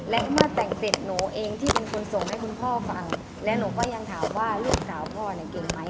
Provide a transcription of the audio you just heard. และเมื่อแต่งเสร็จหนูเองที่เป็นคนส่งให้คุณพ่อฟังและหนูก็ยังถามว่าลูกสาวพ่อเนี่ยเก่งไหม